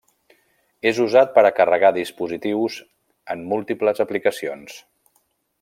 És usat per a carregar dispositius en múltiples aplicacions.